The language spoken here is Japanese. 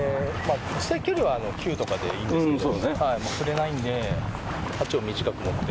実際距離は９とかでいいんですけど振れないので８を短く持って。